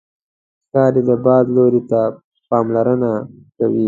ښکاري د باد لوري ته پاملرنه کوي.